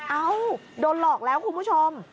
เอ้าโดนหลอกแล้วคุณผู้ชม